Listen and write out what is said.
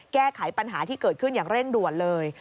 แก้ไขปัญหาที่เกิดขึ้นอย่างเร่งด่วนเลย